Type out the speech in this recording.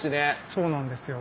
そうなんですよ。